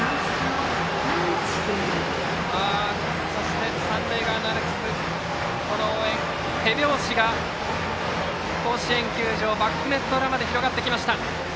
そして、三塁側のアルプス手拍子が甲子園球場バックネット裏まで広がってきました。